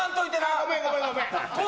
ごめん、ごめん、ごめん。